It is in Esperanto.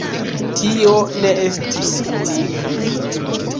Tio ne estis unika.